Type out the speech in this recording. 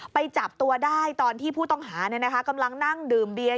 ไปจับตัวได้ตอนที่ผู้ต้องหากำลังนั่งดื่มเบียน